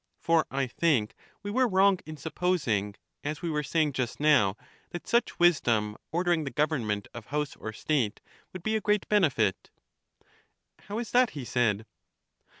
For I think we were wrong in supposing, as we were saying just now, that such wisdom ordering the gov ernment of house or state would be a great benefit. How is that? he said.